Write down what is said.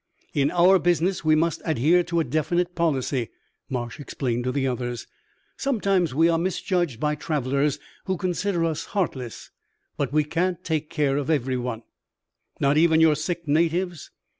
"In our business we must adhere to a definite policy," Marsh explained to the others. "Sometimes we are misjudged by travellers who consider us heartless, but we can't take care of every one." "Not even your sick natives.